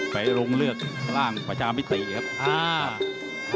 ไปลงเลือกร่างประชามิติครับอ่า